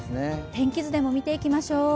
天気図でも見ていきましょう。